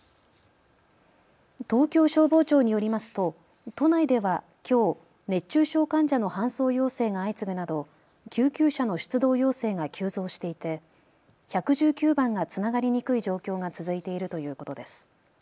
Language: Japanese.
東京消防庁によりますと都内ではきょう熱中症患者の搬送要請が相次ぐなど救急車の出動要請が急増していて１１９番がつながりにくい状況が続いているということです。